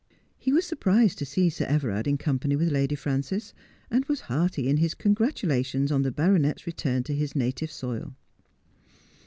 He was sur prised to see Sir Everard in company with Lady France s, and was hearty in hi3 congratulations on the baronet's return to his native soil.